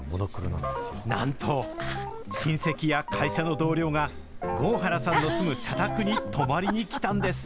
なんと親戚や会社の同僚が、合原さんの住む社宅に泊まりに来たんです。